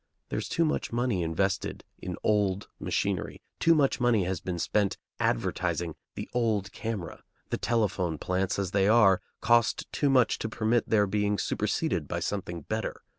There is too much money invested in old machinery; too much money has been spent advertising the old camera; the telephone plants, as they are, cost too much to permit their being superseded by something better.